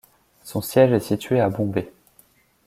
Son siège est situé à Bombay.